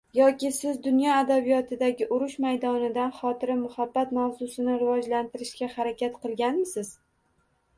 Yoki siz dunyo adabiyotidagi urush maydonidan xotira muhabbat mavzusini rivojlantirishga harakat qilganmisiz